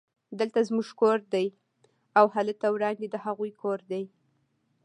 دلته زموږ کور دی او هلته وړاندې د هغوی کور دی